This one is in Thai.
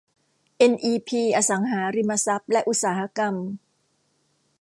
เอ็นอีพี อสังหาริมทรัพย์ และอุตสาหกรรม